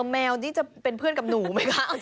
แมวนี่จะเป็นเพื่อนกับหนูไหมคะ